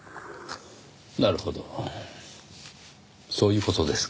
なるほどそういう事ですか。